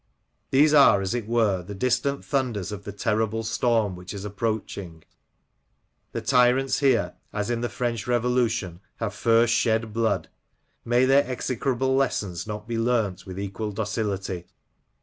These are, as it were, the dis tant thunders of the terrible storm which is approaching. The tyrants here, as in the French Revolution, have first shed blood. May their execrable lessons not be learnt with equal docility